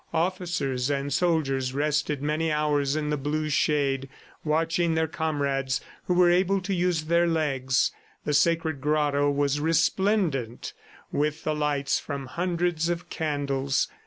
Officers and soldiers rested many hours in the blue shade, watching their comrades who were able to use their legs. The sacred grotto was resplendent with the lights from hundreds of candles.